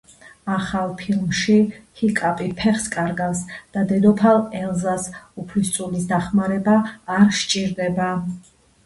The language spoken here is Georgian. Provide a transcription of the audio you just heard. ახალ ფილმში ჰიკაპი ფეხს კარგავს და დედოფალ ელზას უფლისწულის დახმარება არ სჭირდება.